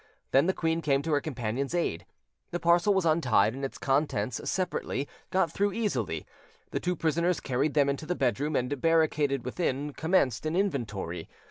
Then the queen came to her companion's aid. The parcel was untied, and its contents, separately, got through easily. The two prisoners carried them into the bedroom, and, barricaded within, commenced an inventory.